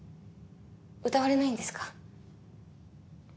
歌われないんですか？